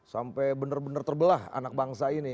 sampai benar benar terbelah anak bangsa ini